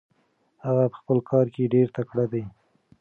هغه په خپل کار کې ډېر تکړه دی.